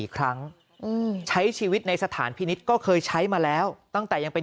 อีกครั้งใช้ชีวิตในสถานพินิษฐ์ก็เคยใช้มาแล้วตั้งแต่ยังเป็น